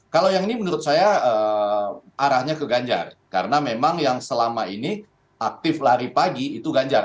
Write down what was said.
kalau yang ini menurut saya arahnya ke ganjar karena memang yang selama ini aktif lari pagi itu ganjar